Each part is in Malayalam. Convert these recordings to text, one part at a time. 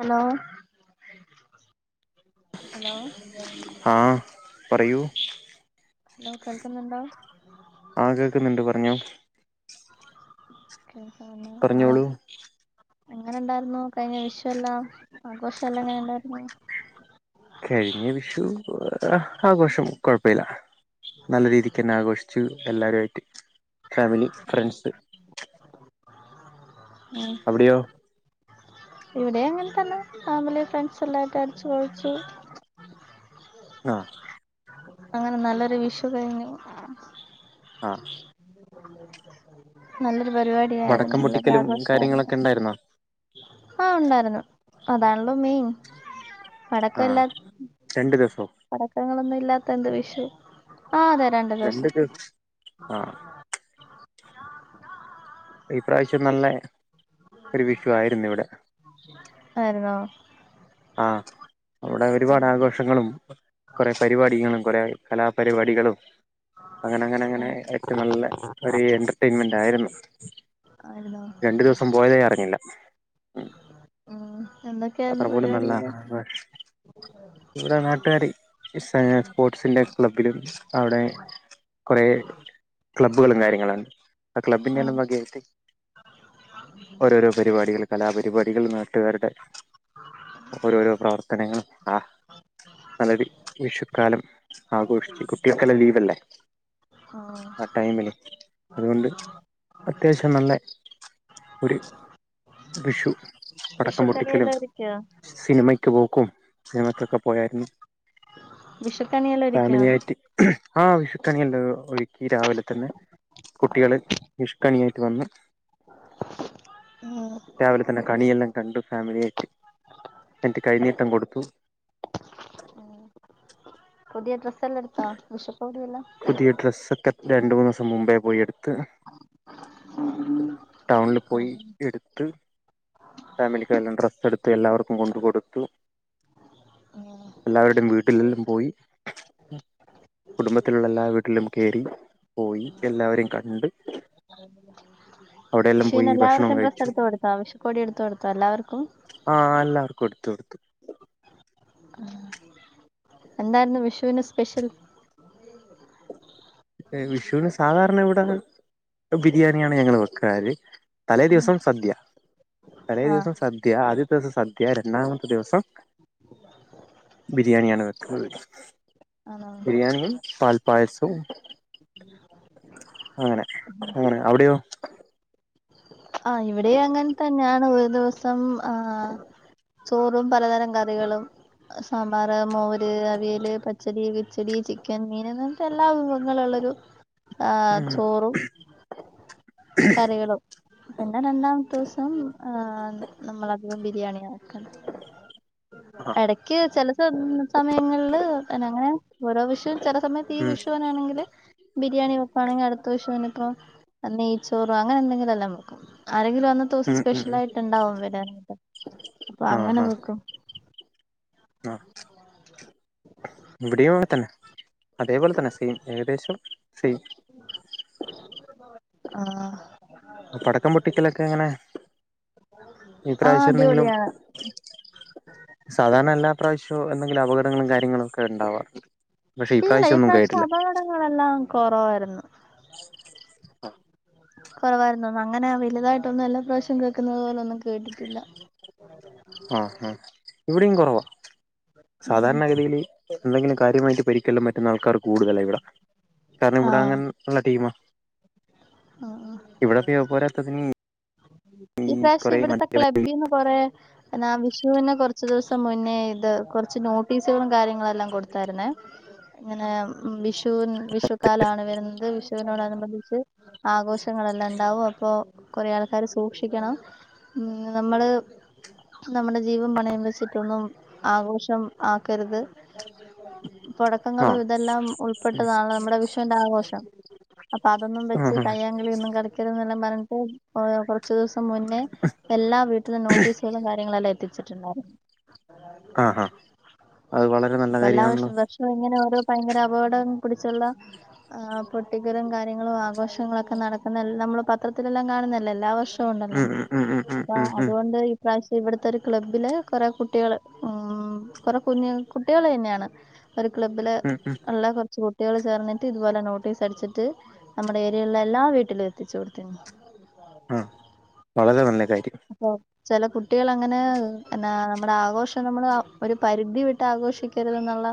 [inaudible] ഹലോ ഹലോ ആ പറയൂ ഹലോ കേൾക്കുന്നുണ്ടോ? ആ കേൾക്കുന്നുണ്ട് പറഞ്ഞോ [unintelligible] പറഞ്ഞോളൂ ആഹ് എങ്ങനെ ഇണ്ടാർന്നു കഴിഞ്ഞ വിഷുവെല്ലാം ആഘോഷം എല്ലാം എങ്ങനെ ഇണ്ടായിരുന്നു? കഴിഞ്ഞ വിഷു ആഹ് ആഘോഷം കൊഴപ്പമില്ല നല്ല രീതിക്ക്ന്നെ ആഘോഷി എല്ലാരായിട്ട് ഫാമിലി ഫ്രണ്ട്സ് ഉം അവിടെയോ ഇവിടെ അങ്ങനെ തന്നെ ഫാമിലി ഫ്രണ്ട്സ് എല്ലായിട്ട് അടച്ചു പൊളിച്ചു ആ അങ്ങനെ നല്ലൊരു വിഷു കയിഞ്ഞു ആഹ് ന്നല്ല നല്ലൊരു പരിപാടിയായിരുന്നു പടക്കം നല്ലൊരു പൊട്ടിക്കലും ആഘോഷായിരുന്നു കാര്യങ്ങളൊക്കെ ഉണ്ടായിരുന്നോ ആഹ് ഉണ്ടായിരുന്നു അതാണെല്ലോ മെയിൻ ആഹ് മടക്കെയില്ലാ രണ്ടു ദിവസോ പടക്കങ്ങളൊന്നുയില്ലാത്ത എന്ത്, വിഷു ആ അതെ രണ്ട് ദിവസം ആഹ് ഈ പ്രാവിശ്യം നല്ലെ ഒരു വിഷു ആയിരുന്നു ഇവിടെ ആന്നൊ ആ അവിടെ ഒരുപാട് ആഘോഷങ്ങളും കൊറേ പരിപാടികളും കൊറേ ആയി കലാപരിപാടികളും അങ്ങന അങ്ങനെ അങ്ങനെ ആഹ് ഏറ്റം നല്ലെ ഒരു എന്റർടൈൻമെന്റായിരുന്നു ആയിരുന്നോ രണ്ടു ദിവസം പോയതേ അറിഞ്ഞില്ല ഉം അത്ര എന്തൊക്കെയായിരുന്നു പോലും നല്ല പരിപാടികള് ആഘോഷ് ഇവിടെ നാട്ടാര് സ് സ്പോർട്സിന്റെ ക്ലബ്ബിലും അവിടെ കൊറേ ക്ലബ്ബുകളും കാര്യങ്ങളാണ് ആ ക്ലബ്ബിന്റെല്ലം ആഹ് വകയായിറ്റ് ഓരോരോ പരിപാടികള് കലാപരിപാടികൾ നാട്ടുകാരുടെ ഓരോരോ പ്രവർത്തനങ്ങൾ ആഹ് നല്ലൊരി വിഷുക്കാലം ആഘോഷിച്ചി കുട്ട്യേക്കെല്ലം ലീവ്വെല്ലെ ആഹ് ആറ്റയ്മില് അതുകൊണ്ട് അത്യാവശ്യം നല്ലെ ഒരു വിഷു പടക്കം പൊട്ടിക്കലും വിഷുക്കണിയെല്ലാം ഒരുക്കിയോ സിനിമക്ക് പോക്കും സിനിമക്കൊക്കെ പോയാരുന്നു വിഷുക്കണിയെല്ലാം ഒരുക്കിയോ ഫാമിലിയായിറ്റ്‌ ആ വിശുക്കണിയല്ലോ ഒഴി ഈ രാവിലെതന്നെ കുട്ടികള് വിഷു കണിയായിട്ട് വന്ന് ഉം രാവിലെ തന്നെ കണിയെല്ലം കണ്ടു ഫാമിലിയായിറ്റ്‌ എനിക്ക് കൈനീട്ടം കൊടുത്തു പുതിയ ഡ്രെസ്സെല്ലം എടുത്താ ഓദെയല്ല പുതിയ ഡ്രസ്സൊക്കെ രണ്ട് മൂന്ന് ദിവസം മുമ്പേ പോയി എടുത്ത് ഉ ഉഹ് ട്ടൗണില് പോയി എടുത്ത് ഫാമിലിക്കല്ലംഡ്രസ് എടുത്ത് എല്ലാവർക്കും കൊണ്ട് കൊടുത്തു [inaudible] എല്ലാവരുടെയും വീട്ടിലെല്ലം പോയി കുടുംബത്തിലുള്ള എല്ലാ വീട്ടിലും കേറിപോയി എല്ലാവരെയും കണ്ട് ഇവിടെല്ലംപോയി വിഷുവിന് ഭക്ഷണം എല്ലാവർക്കും ഡ്രസ്സ് കഴിച്ചു എടുത്ത് കൊടുത്തോ വിഷുക്കോടി എടുത്ത് കൊടുത്തോ എല്ലാവർക്കും ആ എല്ലാവർക്കും എടുത്തു [inaudible] എന്താരുന്നു വിഷുവിന് സ്പെഷ്യൽ വിഷുവിന് സാധാരണ ഇവിടെ ബിരിയാണിയാണ് ഞങ്ങള് വെക്കാര് തലേ ദിവസം സദ്യ തലേ ആഹ് ദിവസം സദ്യാ ത് തലേ ദിവസ് സദ്യ രണ്ടാമത്തെ ദിവസം ബിരിയാണിയാണ് വെക്കുന്നത് ആണോ ബിരിയാണിയും പാൽപായസെവും ഊ അങ്ങനെ അങ്ങനെ അവിട്യൊ ആ ഇവിടെ അങ്ങനെതെന്യാണ് ഒരു ദിവസം ആഹ ചോറും പലതരം കറികളും സാമ്പാറ് മോര് അവിയല് പച്ചടി കിച്ചടി ചിക്കൻ മീന് അങ്ങനത്തെ എല്ലാ വിഭവങ്ങളു ഒരു ആ ഉം ചോറും കറികളും [unintelligible] പിന്നെ രണ്ടാമത്തെ ദിവസം ആ നമ്മളധികം ബിരിയാണിയാണ്. ആ എടക്ക് ചെല സമ സമയങ്ങളില് അങ്ങനെ ഓരോ വിഷുവും, ചെല സമയത്ത്, ഈ ഉം വിഷൂനാണെങ്കില് ബിരിയാണി വെക്കുവാണെങ്കിൽ അടുത്ത വിഷുവിനൊക്കെ നെയ്ച്ചോറോ അങ്ങനെ എന്തെങ്കിലും എല്ലാം വെക്കും. ആരെങ്കിലും അന്നത്തെ ദിവസം ഉം ഉം സ്പെഷ്യൽ ഉം ആയിട്ട് ഉണ്ടാവും വെരാനായിട്ട് അപ്പൊ ആ അങ്ങനെ ആ വെക്കും. ആ ഇവിടെയും അങ്ങനെതന്നെ അതേപോലെ തന്നെ സെയിം, ഏകദേശം സെയിം. ആ പടക്കം പൊട്ടിക്കലൊക്കെ എങ്ങനെ? ഈ ആഹ് പ്രാവശ്യം എന്തെങ്കിലും, അടിപൊളിയാണ് സാധാരണ എല്ലാ പ്രാവശ്യം എന്തെങ്കിലും അപകടങ്ങളും കാര്യങ്ങളും ഒക്കെ ഇണ്ടാവാറുണ്ട്. ഇല്ല ഈ പ്രാവശ്യം അപകടങ്ങളെല്ലാം കൊറവാരുന്നു. ആ കുറവായിരുന്നു അങ്ങനെ വലുതായിട്ടൊന്നും എല്ലാ പ്രാവശ്യോം കേക്കുന്നത് പോലൊന്നും കേട്ടിട്ടില്ല. ആ ആ ഇവിടെയും കുറവാ. സാധാരണ ഗതിയില് എന്തെങ്കിലും കാര്യമായിട്ട് പരി ക്കെല്ലാം പറ്റുന്ന ആൾക്കാർ കൂടുതലാ ഇവിടെ, കാരണം ഇവിടെ അങ്ങനെ ആഹ് ഉള്ള ടീമാ. ഇവിടെ പിന്നെ പോരാത്തതിന് ഈ പ്രാവശ്യം കൊറേ ഇവിടത്തെ മദ്യ ക്ലബ്ബീന്ന് കൊറേ എന്നാ വിഷുവിന് കൊറച്ച് ദിവസ് മുന്നേ ഇത് കൊറച്ച് നോട്ടീസുകളും കാര്യങ്ങളുവെല്ലാം കൊടുത്താരുന്നേ ഇങ്ങനെ വിഷ് ഷു വിഷുക്കാലാണ് വരുന്നത് വിഷുവിനോടനുബന്ധിച്ച് ആഘോഷങ്ങളെല്ലാം ണ്ടാവും അപ്പോ കൊറെ ആൾക്കാര് സൂക്ഷിക്കണം ഉം നമ്മള് നമ്മുടെ ജീവൻ പണയം വെച്ചിട്ടൊന്നും ആഘോഷം ആക്കരുത്. ആ പടക്കങ്ങളും ഇതെല്ലാം ഉൾപ്പെട്ടതാണ് നമ്മുടെ വിഷുവിന്റെ ആഘോഷം. അപ്പൊ അതൊന്നും വ ച്ചു കയ്യാങ്കളിയൊന്നും കളിക്കരുതെന്നെല്ലാം പറഞ്ഞിട്ട് കുറച്ചു ദിവസം മുന്നേ എല്ലാ വീട്ടിലും നോ ട്ടീസുകളും കാര്യങ്ങളും എല്ലാം എത്തിച്ചിട്ടുണ്ടായിരുന്നു. ആഹാ അതു അപ്പ എല്ലാ വർഷ വർഷവും ഇങ്ങനെ ഓരോ ഭയങ്കര അപകടം പിടിച്ചുള്ള ആ പൊട്ടിക്കലും കാര്യങ്ങളും ആഘോഷങ്ങളൊക്കെ നടക്കുന്നതെല്ലാം നമ്മള് പത്രത്തിലെല്ലാം കാണുന്നയല്ലേ എല്ലാ വർഷവും ഉണ്ടല്ലോ? ഉം ഉം ഉം ഉം ഉം അപ്പ ഉം ഉം അതുകൊണ്ട് ഇപ്രാവശ്യം ഇവിടത്തെ ഒരു ക്ലബ്ബില് കൊറെ കുട്ടികള് ഉം കൊറെ കുഞ്ഞു കുട്ടികള് തന്നെയാണ് ഒരു ക്ലബ്ബില് ഉം ഉം ഒള്ള കൊറച്ചു കുട്ടികള് ചേർന്നിട്ട് ഇതുപോലെ നോട്ടീസ് അടിച്ചിട്ട് നമ്മുടെ വിടേള്ള എല്ലാ വീട്ടിലും എത്തിച്ചു കൊടുത്തിരുന്നു. ആ വളരെ നല്ല കാര്യം. ചെല കുട്ടികളങ്ങനെ എന്നാ നമ്മുടെ ആഘോഷം നമ്മള് ഒരു പരിധി വിട്ട് ആഘോഷിക്കരു തെന്നൊള്ള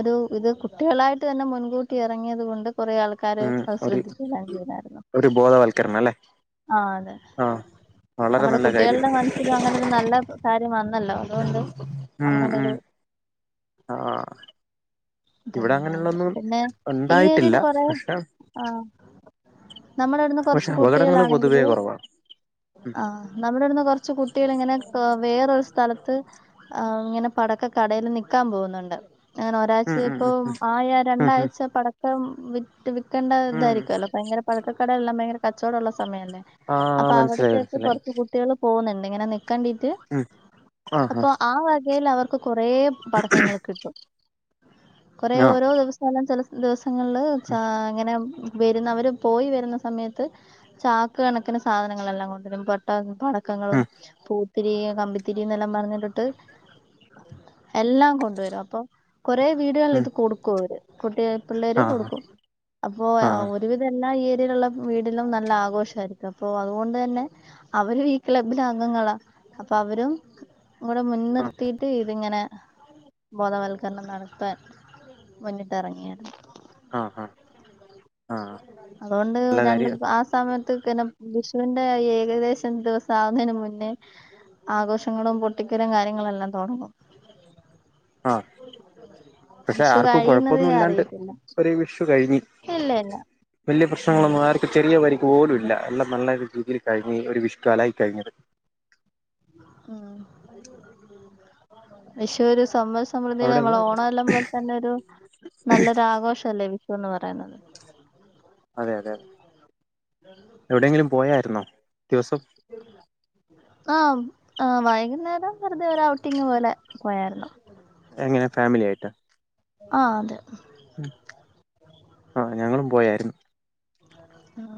ഒരു ഇത് കുട്ടികളായിട്ട് തന്നെ മുൻകൂട്ടി ഇറങ്ങിയത് കൊണ്ട് കുറേ ആൾക്കാര് ഉം അത് ഒരു ശ്രദ്ധിക്ക [unintelligible] ഒരു ബോധവൽക്കരണം അല്ലേ? ആ വളരെ നമ്മടെ നല്ല കാര്യം കുട്ടികളുടെ മനസ്സിലും അങ്ങനെ ഒരു നല്ല കാര്യം വന്നല്ലോ. അതുകൊണ്ട് ഉം അങ്ങനൊരു ഉം ആ ഇവിടെ ഇതെല്ലണ്ടാർന്നു. അങ്ങനെയുള്ളൊന്നും പിന്നെ ഈ ഉണ്ടായിട്ടില്ല ഏരിയേല് കൊറെ, പക്ഷെ ആ. നമ്മുടെ ഇവിടുന്ന് പക്ഷെ കൊറച്ച് അപകടങ്ങൾ പൊതുവേ കുട്ടികളാണെങ്കില് കുറവാണ് ആ നമ്മുടെ ഇവ്ടുന്ന് കൊറച്ച് കുട്ടികളിങ്ങനെ വേറൊരു സ്ഥലത്ത് ആ ഇങ്ങനെ പടക്കക്കടേല് നിക്കാൻ പോകുന്നൊണ്ട് അങ്ങനെ ഉം ഉം ഇപ്പോ ഉം ഉം ആയാ ഉം ഉം രണ്ടാഴ്ച പടക്കം വിറ്റ് വിക്കേണ്ട ഉം ഉം ഇതായിരിക്കുമല്ലോ ഭയങ്കര പടക്ക കടേലെല്ലാം ഭയങ്കര കച്ചവടൊള്ള സമയല്ലേ ആ അപ്പൊ മനസ്സിലായി അവിടത്തേക്ക് മനസ്സിലായി കൊറച്ച് കുട്ടികള് പോകുന്നുണ്ട് ഇങ്ങനെ നി കണ്ടിറ്റ് ഉം അപ്പൊ ആ വകേലവർക്ക് കൊറേ പടക്കങ്ങൾ കിട്ടും. കൊറെ ആ ഓരോ ദിവസായാലും ചില ദിവസങ്ങളില് ഉം ചാ അങ്ങനെ വരുന്നവര് പോയിവരുന്ന സമയത്ത് ചാക്ക്കണക്കിന് സാധനങ്ങളെല്ലാം കൊണ്ടുവരും പൊട്ട പടക്കങ്ങളും ഉം പൂ ത്തിരി കമ്പിത്തിരി എന്നെല്ലാം പറഞ്ഞിട്ടിട്ട് എല്ലാം കൊണ്ടുവരും അപ്പൊ കൊറേ ഉം വീടുകളിലിത് കൊടുക്കുംഅവര് കുട്ടിക പിള്ളേര് ആ കൊടുക്കും. അപ്പൊ ആ ഒരുവിധം എല്ലാ ഈ ഉള്ള വീടിലും നല്ല ആഘോഷമായിരിക്കും. അപ്പൊ അതുകൊണ്ട് തന്നെ അവരും ഈ ക്ലബിലെ അംഗങ്ങളാ. അപ്പൊ അവരും കൂടെ മുൻ നിർത്തിയിട്ട് ഇതിങ്ങനെ ബോധവൽ കരണം നടത്താൻ മുന്നിട്ടെറങ്ങിയാരുന്നു. ആ ആ ആ ആ അതുകൊണ്ട് നല്ല രണ്ടും കാര്യം ആ സമയ [unintelligible] വിഷുവിന്റെ ഏകദേശം ദിവസം ആവുന്നതിന് മുന്നേ ആഘോഷങ്ങളും പൊട്ടിക്കലും കാര്യങ്ങളെല്ലാം തൊടങ്ങും. ആ പക്ഷെ ആർക്കും കഴിയുന്നതേ കുഴപ്പൊന്നുല്ലാണ്ട് അറിയത്തില്ല ഒരു വിഷു. കഴിഞ്ഞ് ഇല്ല ഇല്ല വലിയ ഉം പ്രശ്നങ്ങളൊന്നും ആർക്കും ചെറിയ പരിക്ക് പോലും ഇല്ല എല്ലാം നല്ല രീതിയിൽ. കഴിഞ്ഞ് ഒരു വിഷുകാലായി കഴിഞ്ഞത്. ഉം വിഷു ഒരു സം സമൃദ്ധിയുടെ അവിടെ നമ്മള് ഓണല്ലാം പോലെ തന്നെ ഒരു നല്ലൊരു ആഘോഷല്ലേ വിഷു. ന്ന് പറയുന്നത്. അതെ അതെ എവിടെയെങ്കിലും പോയായിരുന്നോ ദിവസം. ഇല്ല ആ വൈകുന്നേരം വെറുതെ ഒരു ഔട്ടിംങ്ങ് പോലെ പോയായിരുന്നു. എങ്ങനെ ഫാമിലി ആയിട്ടാ. ആ അതെ. ഉം ആ ഞങ്ങളും പോയായിരുന്നു. ഉം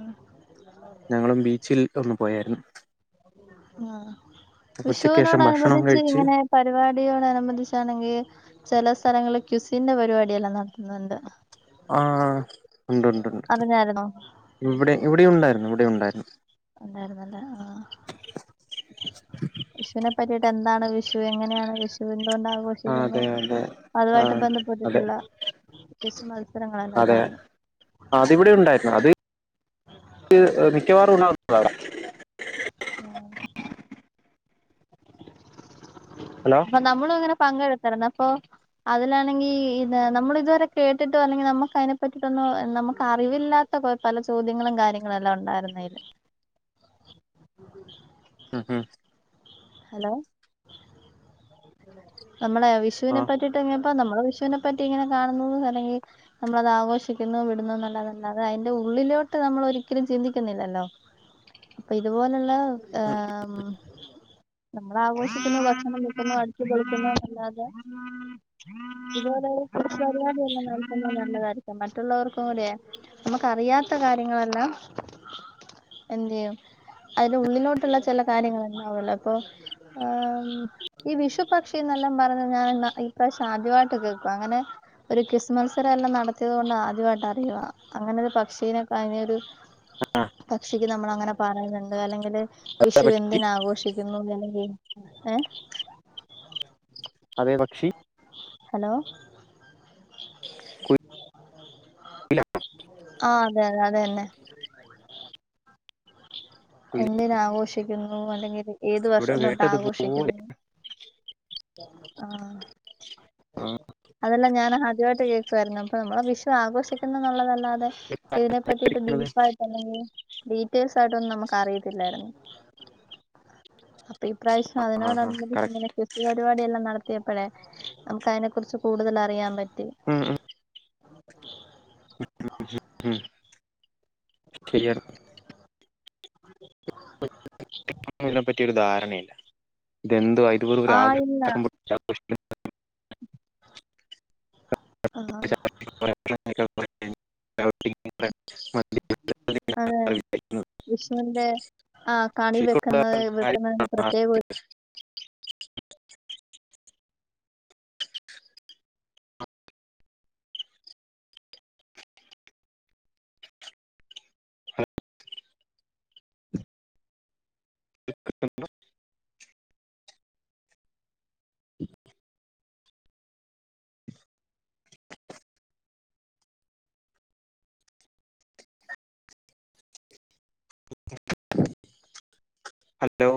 ഞങ്ങളും ബീച്ചിൽ ഒന്ന് പോയായിരുന്നു. ആഹ്. ഉച്ചയ്ക്ക് ശേഷം ഭക്ഷണം വിഷുവിനോടനുബന്ധിച്ച് കഴിച്ച് ഇങ്ങനെ പരിപാടിയോട് അനുബന്ധിച്ചാണെങ്കി ചെല സ്ഥലങ്ങളിൽ ക്വിസിന്റെ പരിപാടിയെല്ലാം നടത്തുന്നുണ്ട്. ആ ഉണ്ട് ണ്ട് ണ്ട് അറിഞ്ഞായിരുന്നോ ഇവിടെ ഇവിടെ ഉണ്ടായിരുന്നു ഇവിടെ ഉണ്ടായിരുന്നു. ഉണ്ടായിരുന്നല്ലേ ആഹ്. വിഷുവിനെ പറ്റിയിട്ട് എന്താണ് വിഷു എങ്ങനെയാണ് വിഷുവി എന്തുകൊണ്ട് ആ ആഘോഷിക്കുന്നു അതെ അതെ ആ അതുമായിട്ട് ബന്ധപ്പെട്ടിട്ട് അതെ ഉള്ള. വ്യത്യസ്ത അതെ മത്സരങ്ങളാെന്നുണ്ടായിരുന്നു. അതിവിടെ ഉണ്ടായിരുന്നു അത് മിക്കവാറും ഇവിടെ ഉണ്ടാവുന്ന. ഓ ഹലോ അപ്പൊ നമ്മള് ഇങ്ങനെ പങ്കെടുത്തിരുന്നു അപ്പൊ. അതിലാണെങ്കിൽ ഇത് നമ്മൾ ഇതുവരെ കേട്ടിട്ടോ അല്ലെങ്കിൽ നമുക്ക് അതിനെ പറ്റിട്ടൊന്നും നമുക്ക് അറിവില്ലാത്ത. കോയ്പ്പല ചോദ്യങ്ങളും കാര്യങ്ങളുയെല്ലാം ഉണ്ടായിരുന്നയില്. ഉം ഉം ഹലോ നമ്മളെ ആ വിഷുവിനെ പറ്റിട്ട് എങ്ങന ഇപ്പൊ നമ്മളെ വിഷുവിനെപ്പറ്റി ഇങ്ങനെ കാണുന്നു അല്ലെങ്കിൽ നമ്മളത് ആഘോഷിക്കുന്നു വിടുന്നു എന്നല്ലാതല്ലാതെ അയിന്റെ ഉ ഉള്ളിലോട്ട് നമ്മൾ ഒരിക്കലും ചിന്തിക്കുന്നില്ലല്ലോ അപ്പൊ ഇതുപോലുള്ള. ആ ഉം നമ്മള് ആഘോഷിക്കുന്നു ഭക്ഷണം കഴിക്കുന്നു അടിച്ചുപൊളിക്കുന്നു അല്ലാതെ ഇത് പരിപാടി എല്ലാം നടത്തുന്ന നല്ലതായിരിക്കാം മറ്റുള്ളവർക്കൂടെ നമുക്കറിയാത്ത കാര്യങ്ങള്. ഹലോ എന്തേയും അതിന്റെ ഉള്ളിലോട്ടുള്ള ചെല കാര്യങ്ങളുണ്ടാവുല്ലോ. അപ്പോ ഉം ഈ വിഷുപക്ഷിന്നെല്ലാം പറഞ്ഞ് ഞാൻ ഇപ്രാവിശ്യം ആദ്യായിട്ട് കേക്കുവാ അങ്ങനെ ഒരു ക്വിസ്മത്സരം എല്ലാം നടത്തിയത് കൊണ്ട് ആദ്യമായിട്ട് അറിയുക അങ്ങനെ ഒരു പക്ഷീനെ കഴിഞ്ഞ്. ഒരു പക്ഷിക്ക് നമ്മൾങ്ങനെ പറയുന്നുണ്ട് അല്ലെങ്കിൽ വിഷു പക്ഷി എന്തിനാഘോഷി ഏ ഏഹ് അതേ പക്ഷി ഹലോ കുയി- ആ അതെ അതെന്നെ കുയില് എന്തിനാഘോഷിക്കുന്നു അല്ലെങ്കിൽ ഏത് ഇവിടെ വർഷം കേട്ടതുപോലെ തൊട്ടാഘോഷിക്കുന്നു ആ അതെല്ലാം ഞാൻ ആദ്യവായിട്ട് കേൾക്കുവായിരുന്നു അപ്പൊ നമ്മളെ വിഷു ആഘോഷിക്കുന്നന്നുള്ളതല്ലാ ഇതിനെ പറ്റിട്ട് ക്കുന്നത് ഡീപ്പായിട്ടല്ലെങ്കിൽ ഡീറ്റെൽസ് ആയിട്ടൊന്നും നമുക്ക് അറിയത്തില്ലായിരുന്നു ഇപ്രാവശ്യം ആ ആ അതിനോടാനുബന്ധിച്ച തന്നെ കറക്റ്റ് നടത്തിയപ്പോഴെ നമുക്ക് അതിനെ കുറിച്ച് കൂടുതലറിയാൻ പറ്റി ഉം ഉം ശ്.... ശ്... ഉം ശരിയാണ് ഇതിനെ പറ്റിയ ഒരു ധാരണയില്ല ഇതെന്തോന്തുവാ ഇത് വെറും ഒരു ആഹ് ആഘോഷം ഇല്ല പടക്കം പൊട്ടിച്ചകോഷി ആഹ് ഈ പ്രാവിശ്യം അതേ വിഷ്ണുവിന്റെ ആ കണി വെക്കുന്നത് വെക്കുന്നതിന് പ്രത്യേകോരു [inaudible] ഹലോ